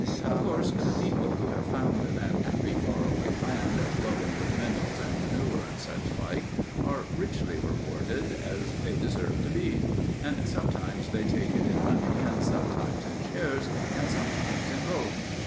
Of course, the people who have found that happy, far away land, flowing with minerals and manure and such like, are richly rewarded, as they deserve to be; and sometimes they take it in money and sometimes in shares, and sometimes in both.